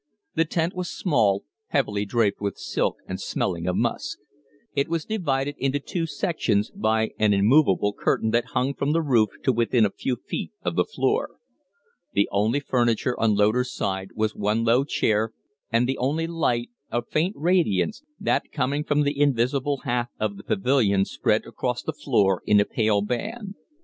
The tent was small, heavily draped with silk and smelling of musk. It was divided into two sections by an immovable curtain that hung from the roof to within a few feet of the floor. The only furniture on Loder's side was one low chair, and the only light a faint radiance that, coming from the invisible half of the pavilion; spread across the floor in a pale band.